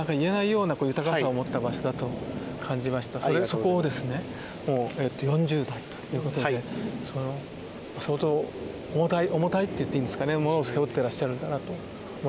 そこをですねもう４０代ということで相当重たい重たいって言っていいんですかね背負ってらっしゃるんだなと思いますが。